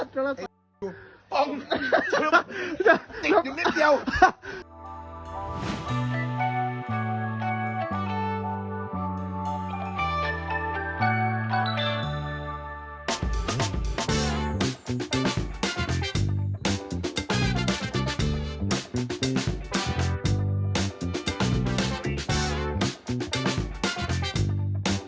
เขาพูดยังรู้ที่มันขาดหรือเปล่าเจ๊พอไหมพอไหม